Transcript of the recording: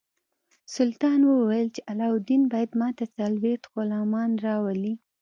سلطان وویل چې علاوالدین باید ماته څلوېښت غلامان راولي.